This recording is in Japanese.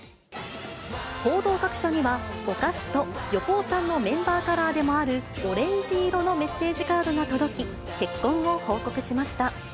報道各社には、お菓子と、横尾さんのメンバーカラーでもあるオレンジ色のメッセージカードが届き、結婚を報告しました。